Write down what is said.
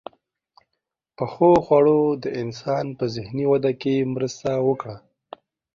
• پخو خوړو د انسان په ذهني وده کې مرسته وکړه.